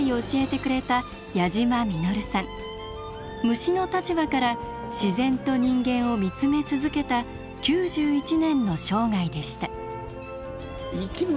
虫の立場から自然と人間を見つめ続けた９１年の生涯でした。